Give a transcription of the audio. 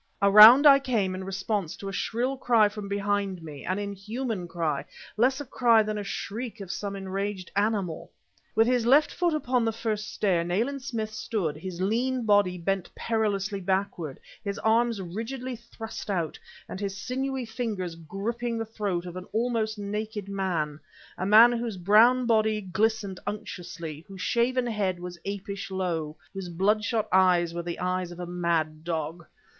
Around I came, in response to a shrill cry from behind me an inhuman cry, less a cry than the shriek of some enraged animal.... With his left foot upon the first stair, Nayland Smith stood, his lean body bent perilously backward, his arms rigidly thrust out, and his sinewy fingers gripping the throat of an almost naked man a man whose brown body glistened unctuously, whose shaven head was apish low, whose bloodshot eyes were the eyes of a mad dog!